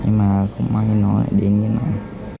nhưng mà không ai nói đến như thế này